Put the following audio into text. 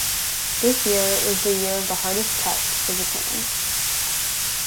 This year was the year of the hardest test for Japan.